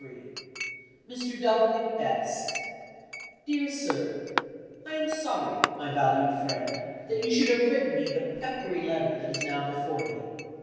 W S Dear Sir: I am sorry, my valued friend, that you should have written me the peppery letter that is now before me.